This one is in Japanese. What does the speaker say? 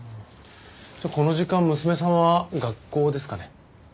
じゃあこの時間娘さんは学校ですかね？